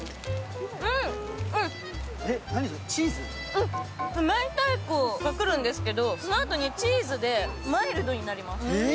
うん、明太子がくるんですけど、そのあとにチーズでマイルドになります。